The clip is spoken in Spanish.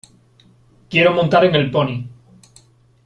Quiero montar en el pony .